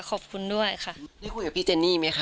ขอบคุณด้วยค่ะได้คุยกับพี่เจนี่ไหมคะ